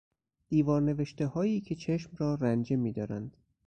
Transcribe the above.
دیوار نوشتههایی که چشم را رنجه میدارند